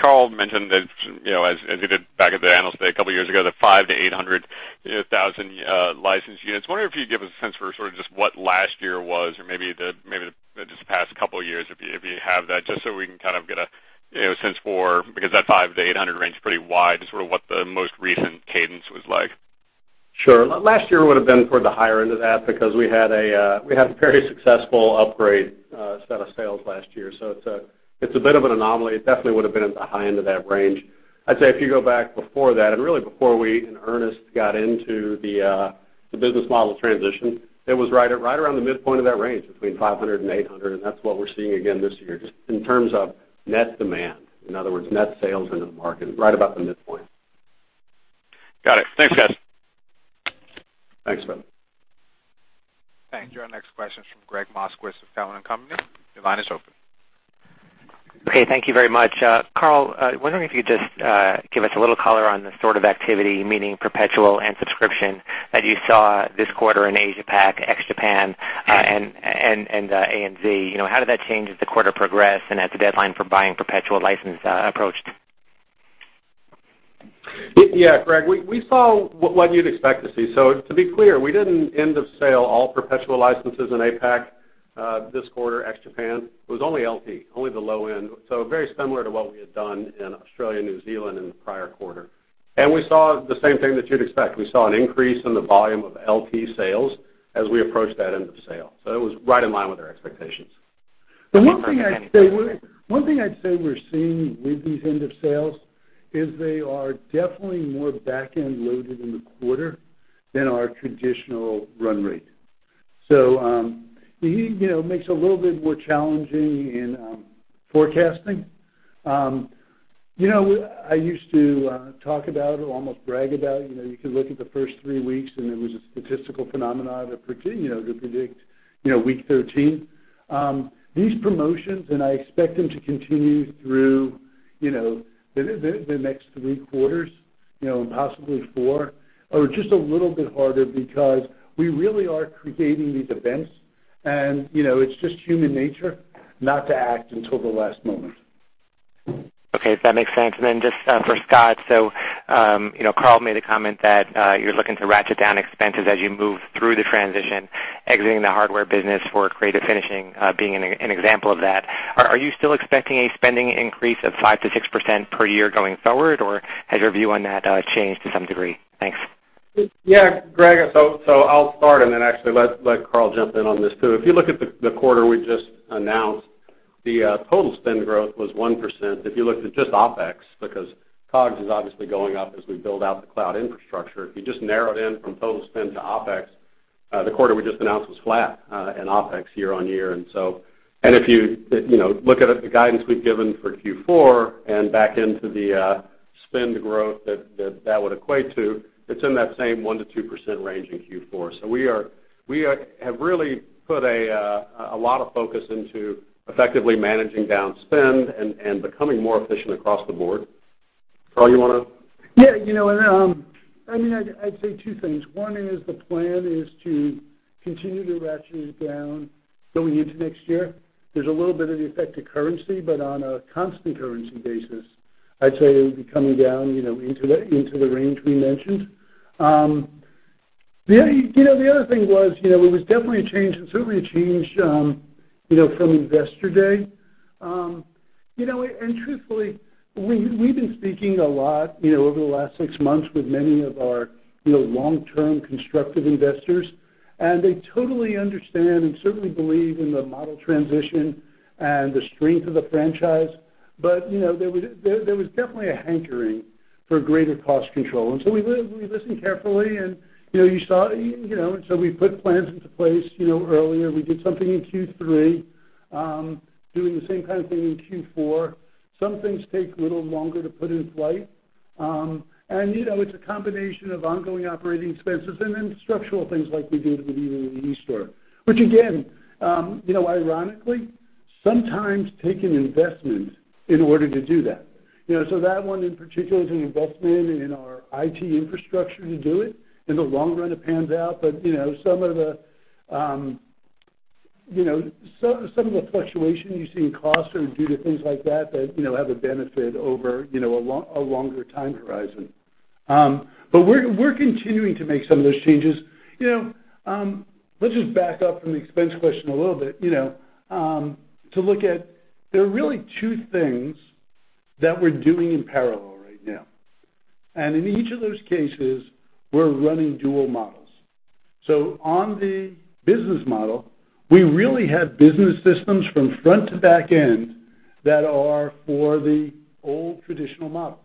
Carl mentioned that, as he did back at the Analyst Day a couple of years ago, the 500,000-800,000 license units. Wondering if you could give us a sense for sort of just what last year was or maybe just the past couple of years, if you have that, just so we can kind of get a sense for, because that 500,000-800,000 range is pretty wide, sort of what the most recent cadence was like. Sure. Last year would've been toward the higher end of that because we had a very successful upgrade set of sales last year. It's a bit of an anomaly. It definitely would've been at the high end of that range. I'd say if you go back before that, and really before we, in earnest, got into the business model transition, it was right around the midpoint of that range, between 500 and 800, and that's what we're seeing again this year, just in terms of net demand. In other words, net sales into the market, right about the midpoint. Got it. Thanks, guys. Thanks, Phil. Thank you. Our next question's from Gregg Moskowitz of Cowen and Company. Your line is open. Okay. Thank you very much. Carl, wondering if you could just give us a little color on the sort of activity, meaning perpetual and subscription, that you saw this quarter in Asia-Pac, ex-Japan, and ANZ. How did that change as the quarter progressed and as the deadline for buying perpetual license approached? Yeah, Greg. We saw what you'd expect to see. To be clear, we didn't end of sale all perpetual licenses in APAC this quarter, ex-Japan. It was only LT, only the low end. Very similar to what we had done in Australia and New Zealand in the prior quarter. We saw the same thing that you'd expect. We saw an increase in the volume of LT sales as we approached that end of sale. It was right in line with our expectations. One thing I'd say we're seeing with these end of sales is they are definitely more back-end loaded in the quarter than our traditional run rate. It makes it a little bit more challenging in forecasting. I used to talk about, or almost brag about, you could look at the first three weeks, and there was a statistical phenomenon to predict week 13. These promotions, and I expect them to continue through the next three quarters, and possibly four, are just a little bit harder because we really are creating these events, and it's just human nature not to act until the last moment. Okay. That makes sense. Just for Scott, Carl made a comment that you're looking to ratchet down expenses as you move through the transition, exiting the hardware business for Creative Finishing being an example of that. Are you still expecting a spending increase of 5%-6% per year going forward, or has your view on that changed to some degree? Thanks. Yeah, Greg, I'll start and then actually let Carl jump in on this too. If you look at the quarter we just announced, the total spend growth was 1%. If you looked at just OpEx, because COGS is obviously going up as we build out the cloud infrastructure. If you just narrow it in from total spend to OpEx, the quarter we just announced was flat in OpEx year-on-year. If you look at the guidance we've given for Q4 and back into the spend growth that would equate to, it's in that same 1%-2% range in Q4. We have really put a lot of focus into effectively managing down spend and becoming more efficient across the board. Carl, you want to? Yeah. I'd say two things. One is the plan is to continue to ratchet it down going into next year. There's a little bit of the effect of currency, but on a constant currency basis, I'd say it would be coming down into the range we mentioned. The other thing was, it was definitely a change, and certainly a change from Investor Day. Truthfully, we've been speaking a lot over the last six months with many of our long-term constructive investors, and they totally understand and certainly believe in the model transition and the strength of the franchise. There was definitely a hankering for greater cost control. We listened carefully, and you saw, we put plans into place earlier. We did something in Q3, doing the same kind of thing in Q4. Some things take a little longer to put in flight. It's a combination of ongoing operating expenses and then structural things like we did with the eStore. Which again, ironically, sometimes take an investment in order to do that. That one in particular is an investment in our IT infrastructure to do it. In the long run, it pans out, but some of the fluctuation you see in costs are due to things like that have a benefit over a longer time horizon. We're continuing to make some of those changes. Let's just back up from the expense question a little bit to look at, there are really two things that we're doing in parallel right now. In each of those cases, we're running dual models. On the business model, we really have business systems from front to back end that are for the old traditional model.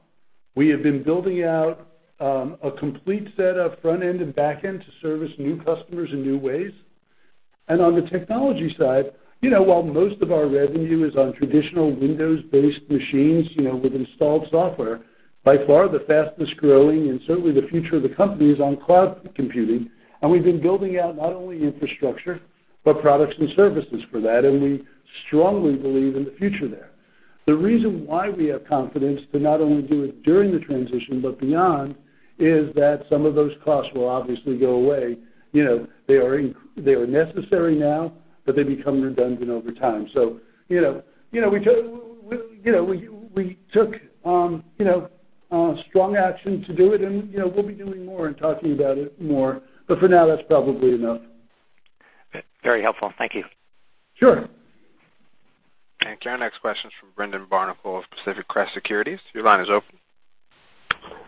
We have been building out a complete set of front end and back end to service new customers in new ways. On the technology side, while most of our revenue is on traditional Windows-based machines with installed software, by far the fastest-growing and certainly the future of the company is on cloud computing. We've been building out not only infrastructure, but products and services for that, and we strongly believe in the future there. The reason why we have confidence to not only do it during the transition but beyond, is that some of those costs will obviously go away. They are necessary now, but they become redundant over time. We took strong action to do it, and we'll be doing more and talking about it more. For now, that's probably enough. Very helpful. Thank you. Sure. Thank you. Our next question is from Brendan Barnicle of Pacific Crest Securities. Your line is open.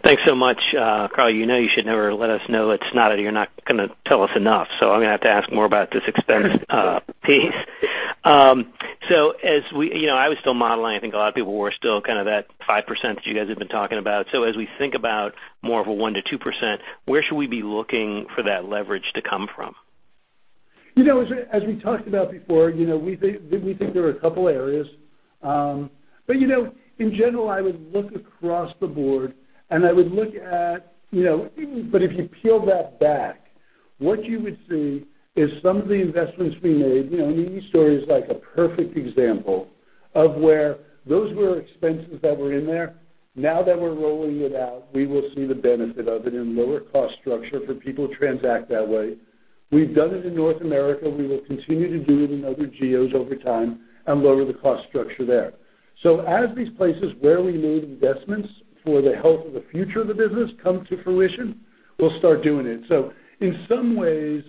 Thanks so much. Carl, you know you should never let us know it's not, or you're not going to tell us enough, I'm going to have to ask more about this expense piece. I was still modeling, I think a lot of people were still kind of at 5% that you guys have been talking about. As we think about more of a 1%-2%, where should we be looking for that leverage to come from? As we talked about before, we think there are a couple areas. In general, I would look across the board and I would look at if you peel that back, what you would see is some of the investments we made, eStore is like a perfect example of where those were expenses that were in there. Now that we're rolling it out, we will see the benefit of it in lower cost structure for people who transact that way. We've done it in North America. We will continue to do it in other geos over time and lower the cost structure there. As these places where we made investments for the health of the future of the business come to fruition, we'll start doing it. In some ways,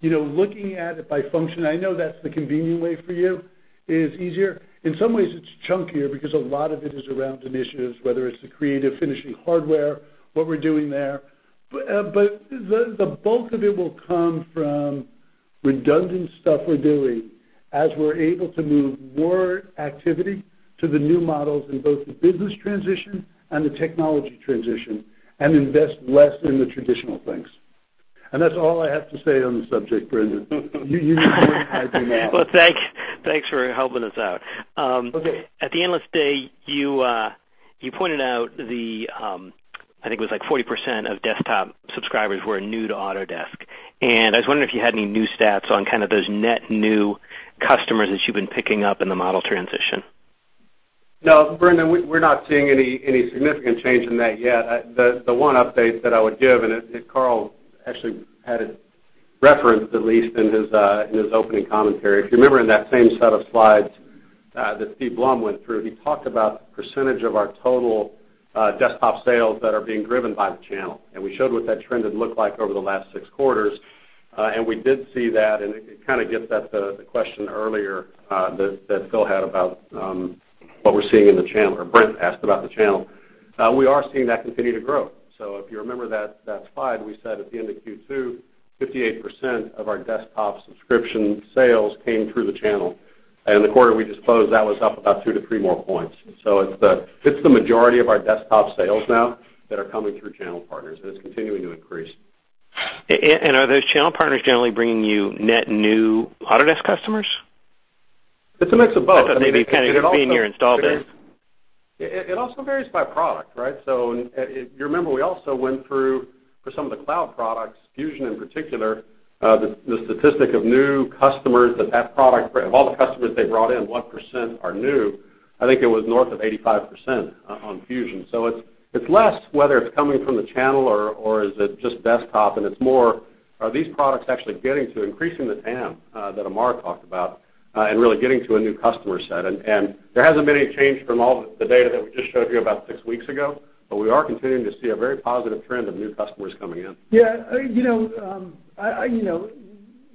looking at it by function, I know that's the convenient way for you, is easier. In some ways, it's chunkier because a lot of it is around initiatives, whether it's the Creative Finishing hardware, what we're doing there. The bulk of it will come from redundant stuff we're doing as we're able to move more activity to the new models in both the business transition and the technology transition and invest less in the traditional things. That's all I have to say on the subject, Brendan. You need more, I do not. Well, thanks for helping us out. Okay. At the Analyst Day, you pointed out the, I think it was like 40% of desktop subscribers were new to Autodesk. I was wondering if you had any new stats on kind of those net new customers that you've been picking up in the model transition. No, Brendan, we're not seeing any significant change in that yet. The one update that I would give, and Carl actually had it referenced at least in his opening commentary. If you remember in that same set of slides that Steven Blum went through, he talked about the percentage of our total desktop sales that are being driven by the channel, and we showed what that trend had looked like over the last six quarters. We did see that, and it kind of gets at the question earlier that Phil had. Brent asked about the channel. We are seeing that continue to grow. If you remember that slide, we said at the end of Q2, 58% of our desktop subscription sales came through the channel. The quarter we just closed, that was up about two to three more points. It's the majority of our desktop sales now that are coming through channel partners, and it's continuing to increase. Are those channel partners generally bringing you net new Autodesk customers? It's a mix of both. I mean, it also. That maybe kind of could be in your install base. It also varies by product, right? You remember we also went through for some of the cloud products, Fusion in particular, the statistic of new customers that product, of all the customers they brought in, what % are new, I think it was north of 85% on Fusion. It's less whether it's coming from the channel or is it just desktop, and it's more are these products actually getting to increasing the TAM that Amar talked about, and really getting to a new customer set. There hasn't been any change from all the data that we just showed you about six weeks ago, but we are continuing to see a very positive trend of new customers coming in. Yeah.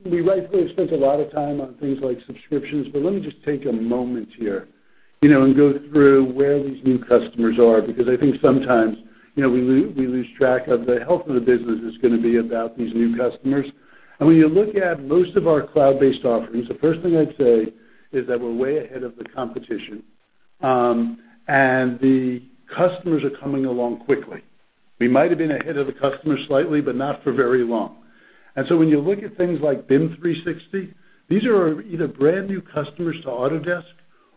We rightfully spent a lot of time on things like subscriptions, but let me just take a moment here and go through where these new customers are, because I think sometimes we lose track of the health of the business is going to be about these new customers. When you look at most of our cloud-based offerings, the first thing I'd say is that we're way ahead of the competition. The customers are coming along quickly. We might've been ahead of the customer slightly, but not for very long. When you look at things like BIM 360, these are either brand-new customers to Autodesk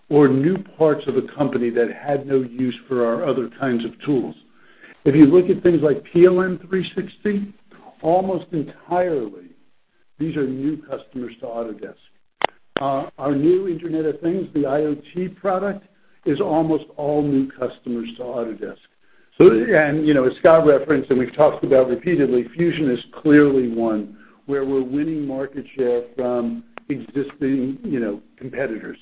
or new parts of a company that had no use for our other kinds of tools. If you look at things like PLM 360, almost entirely, these are new customers to Autodesk. Our new Internet of Things, the IoT product, is almost all new customers to Autodesk. As Scott referenced, and we've talked about repeatedly, Fusion is clearly one where we're winning market share from existing competitors.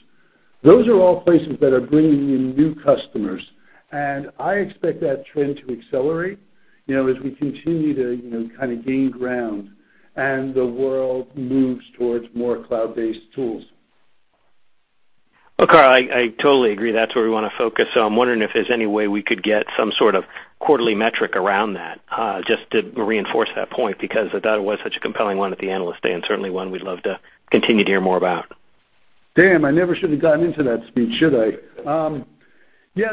Those are all places that are bringing in new customers, and I expect that trend to accelerate as we continue to gain ground and the world moves towards more cloud-based tools. Well, Carl, I totally agree. That's where we want to focus on. I'm wondering if there's any way we could get some sort of quarterly metric around that, just to reinforce that point, because that was such a compelling one at the Analyst Day, and certainly one we'd love to continue to hear more about. Damn, I never should've gotten into that speech, should I? Yeah.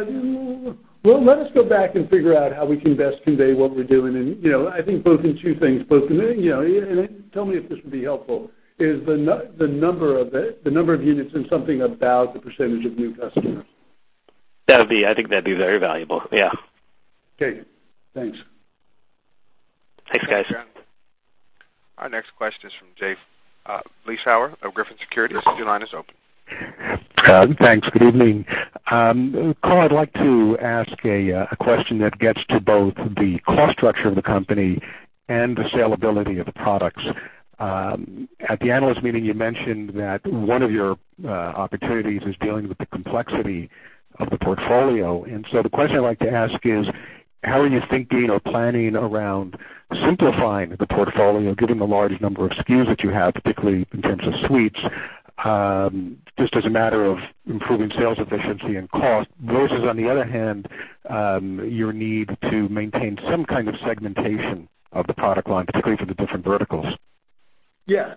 Well, let us go back and figure out how we can best convey what we're doing. I think both in two things. Tell me if this would be helpful, is the number of units and something about the percentage of new customers. That would be, I think that'd be very valuable. Yeah. Okay. Thanks. Thanks, guys. Our next question is from Jay Vleeschhouwer of Griffin Securities. Your line is open. Thanks. Good evening. Carl, I'd like to ask a question that gets to both the cost structure of the company and the saleability of the products. At the analyst meeting, you mentioned that one of your opportunities is dealing with the complexity of the portfolio. The question I'd like to ask is, how are you thinking or planning around simplifying the portfolio, given the large number of SKUs that you have, particularly in terms of suites, just as a matter of improving sales efficiency and cost, versus, on the other hand, your need to maintain some kind of segmentation of the product line, particularly for the different verticals? Yeah.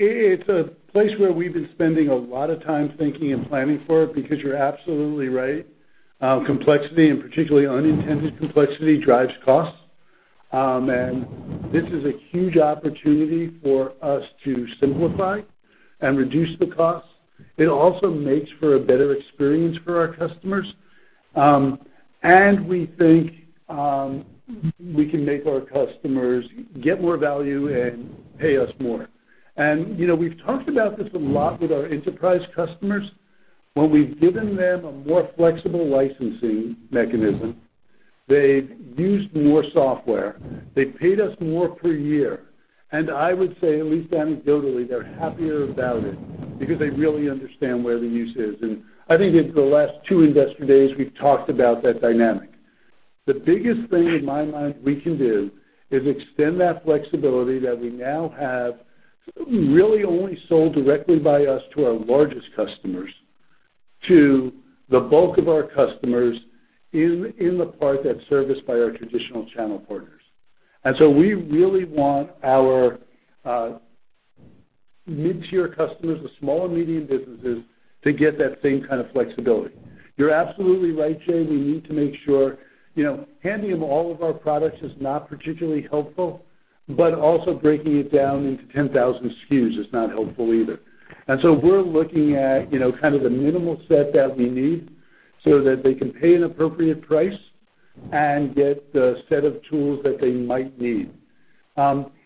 It's a place where we've been spending a lot of time thinking and planning for it because you're absolutely right. Complexity and particularly unintended complexity drives costs. This is a huge opportunity for us to simplify and reduce the costs. It also makes for a better experience for our customers. We think we can make our customers get more value and pay us more. We've talked about this a lot with our enterprise customers. When we've given them a more flexible licensing mechanism, they've used more software. They paid us more per year, and I would say, at least anecdotally, they're happier about it because they really understand where the use is. I think in the last two investor days, we've talked about that dynamic. The biggest thing in my mind we can do is extend that flexibility that we now have really only sold directly by us to our largest customers, to the bulk of our customers in the part that's serviced by our traditional channel partners. We really want our mid-tier customers, the small and medium businesses, to get that same kind of flexibility. You're absolutely right, Jay. Handing them all of our products is not particularly helpful, but also breaking it down into 10,000 SKUs is not helpful either. We're looking at the minimal set that we need so that they can pay an appropriate price and get the set of tools that they might need.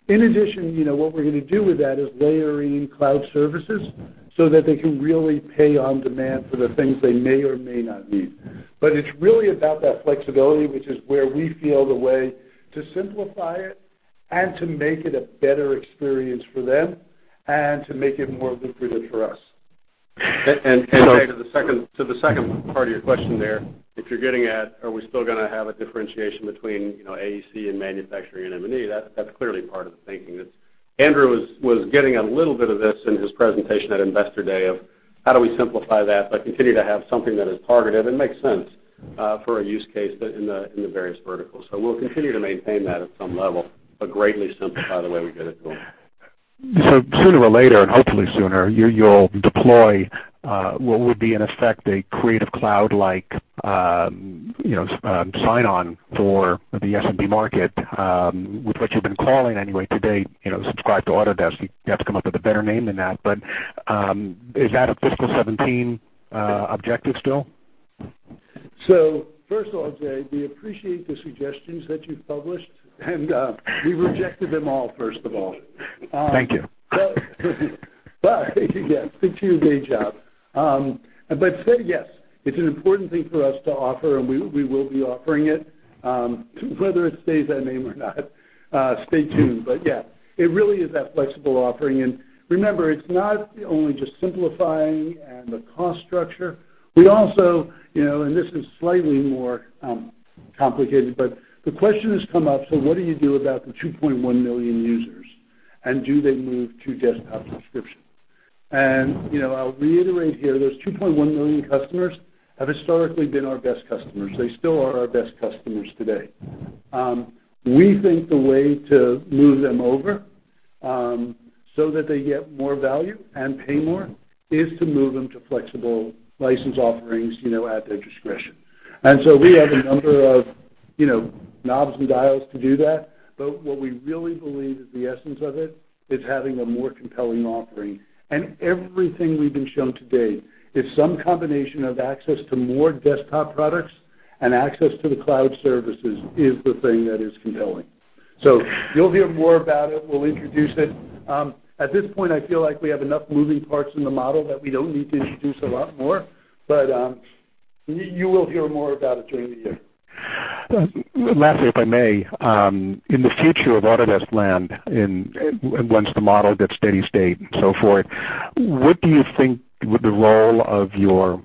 In addition, what we're going to do with that is layering cloud services so that they can really pay on-demand for the things they may or may not need. It's really about that flexibility, which is where we feel the way to simplify it and to make it a better experience for them and to make it more lucrative for us. To the second part of your question there, if you're getting at, are we still going to have a differentiation between AEC and manufacturing and M&E, that's clearly part of the thinking. Andrew was getting a little bit of this in his presentation at Investor Day of how do we simplify that but continue to have something that is targeted and makes sense. For a use case in the various verticals. We'll continue to maintain that at some level, but greatly simplify the way we get it to them. Sooner or later, and hopefully sooner, you'll deploy what would be in effect a Creative Cloud-like sign-on for the SMB market, with what you've been calling anyway to date, Subscribe to Autodesk. You'd have to come up with a better name than that, but is that a FY 2017 objective still? First of all, Jay, we appreciate the suggestions that you've published, and we've rejected them all, first of all. Thank you. Yes, stick to your day job. Yes, it's an important thing for us to offer, and we will be offering it. Whether it stays that name or not, stay tuned. Yeah, it really is that flexible offering. Remember, it's not only just simplifying and the cost structure. This is slightly more complicated, but the question has come up, what do you do about the 2.1 million users, and do they move to desktop subscription? I'll reiterate here, those 2.1 million customers have historically been our best customers. They still are our best customers today. We think the way to move them over, so that they get more value and pay more, is to move them to flexible license offerings at their discretion. We have a number of knobs and dials to do that. What we really believe is the essence of it is having a more compelling offering. Everything we've been shown to date is some combination of access to more desktop products and access to the cloud services is the thing that is compelling. You'll hear more about it. We'll introduce it. At this point, I feel like we have enough moving parts in the model that we don't need to introduce a lot more. You will hear more about it during the year. Lastly, if I may, in the future of Autodesk land, once the model gets steady state and so forth, what do you think the role of your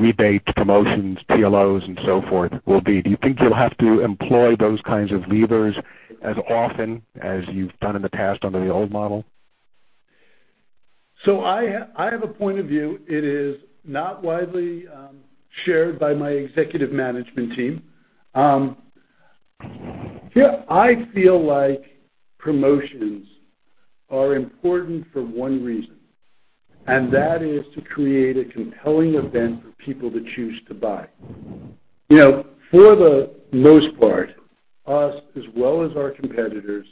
rebates, promotions, TLOs, and so forth will be? Do you think you'll have to employ those kinds of levers as often as you've done in the past under the old model? I have a point of view. It is not widely shared by my executive management team. I feel like promotions are important for one reason, and that is to create a compelling event for people to choose to buy. For the most part, us as well as our competitors,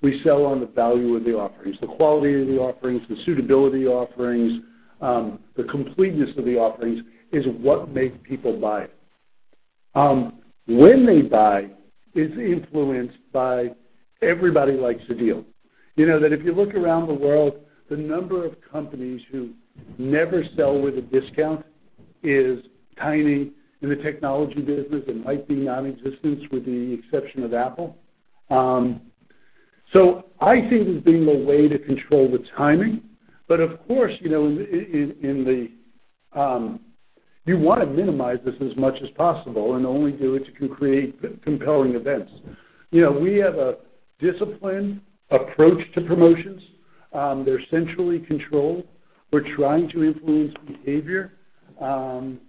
we sell on the value of the offerings, the quality of the offerings, the suitability offerings, the completeness of the offerings is what makes people buy it. When they buy is influenced by everybody likes a deal. If you look around the world, the number of companies who never sell with a discount is tiny in the technology business and might be nonexistent with the exception of Apple. I see it as being a way to control the timing. Of course, you want to minimize this as much as possible and only do it to create compelling events. We have a disciplined approach to promotions. They're centrally controlled. We're trying to influence behavior. We're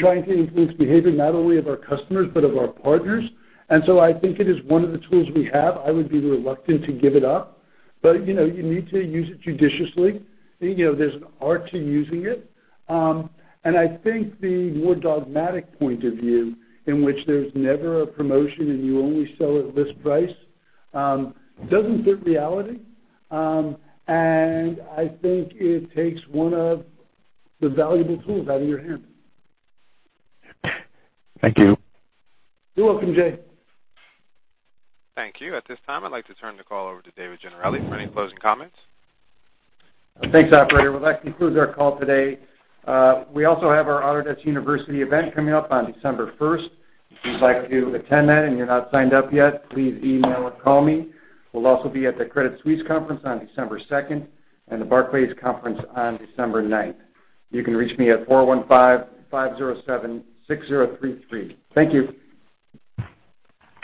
trying to influence behavior not only of our customers, but of our partners. I think it is one of the tools we have. I would be reluctant to give it up. You need to use it judiciously. There's an art to using it. I think the more dogmatic point of view in which there's never a promotion and you only sell at this price, doesn't fit reality. I think it takes one of the valuable tools out of your hand. Thank you. You're welcome, Jay. Thank you. At this time, I'd like to turn the call over to David Gennarelli for any closing comments. Thanks, operator. Well, that concludes our call today. We also have our Autodesk University event coming up on December 1st. If you'd like to attend that and you're not signed up yet, please email or call me. We'll also be at the Credit Suisse conference on December 2nd and the Barclays Conference on December 9th. You can reach me at 415-507-6033. Thank you. Ladies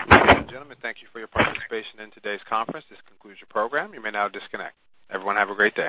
and gentlemen, thank you for your participation in today's conference. This concludes your program. You may now disconnect. Everyone have a great day.